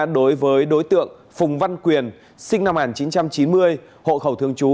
đối với đối tượng phùng văn quyền sinh năm một nghìn chín trăm chín mươi hộ khẩu thương chú